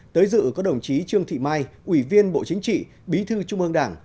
tới dự có đồng chí trương thị mai ủy viên bộ chính trị bí thư trung ương đảng